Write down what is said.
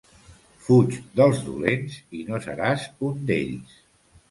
Fuig dels dolents i no seràs un d'ells.